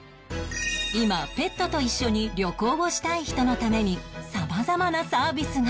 今ペットと一緒に旅行をしたい人のために様々なサービスが